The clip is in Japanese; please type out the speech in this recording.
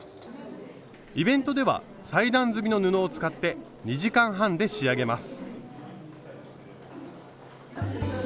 イベントでは裁断済みの布を使って２時間半で仕上げます。